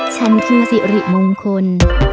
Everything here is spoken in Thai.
ฉันคือสิริมงคล